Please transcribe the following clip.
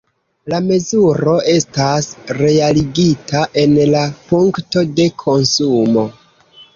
La mezuro estas realigita en la punkto de konsumo.